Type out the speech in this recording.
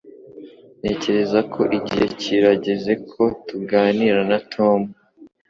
Ntekereza ko igihe kirageze ko tuganira na Tom.